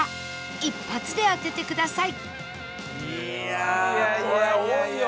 一発で当ててください